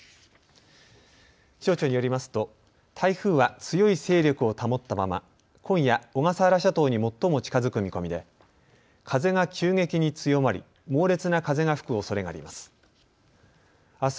気象庁によりますと台風は強い勢力を保ったまま今夜、小笠原諸島に最も近づく見込みで風が急激に強まり、猛烈な風が吹くおそれがあります。